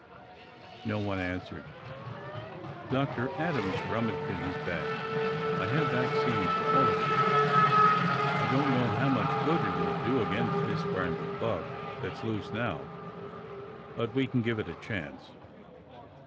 No one answered. Dr. Adams rummaged in his bag. "I have vaccine for all of you. I don't know how much good it will do against this brand of bug that's loose now, but we can give it a chance."